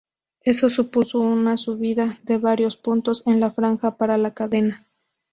Eso supuso una subida de varios puntos en la franja para la cadena.